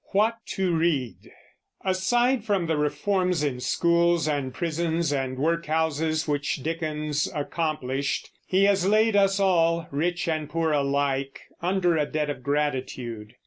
WHAT TO READ. Aside from the reforms in schools and prisons and workhouses which Dickens accomplished, he has laid us all, rich and poor alike, under a debt of gratitude.